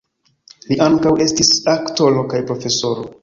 Li ankaŭ estis aktoro kaj profesoro.